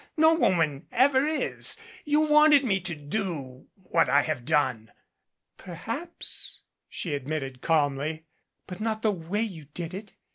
No woman ever is. You wanted me to do what I have done." "Perhaps," she admitted calmly, "but not the way you did it.